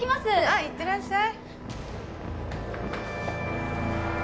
いってらっしゃい。